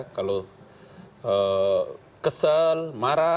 kalau kesel marah